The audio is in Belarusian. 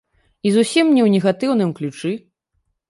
І зусім не ў негатыўным ключы.